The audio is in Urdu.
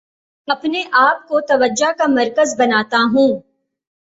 اپنے آپ کو توجہ کا مرکز بناتا ہوں